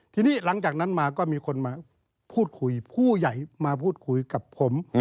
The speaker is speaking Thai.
ทีนี้หลังจากนั้นมาก็มีคนมาพูดคุยผู้ใหญ่มาพูดคุยกับผม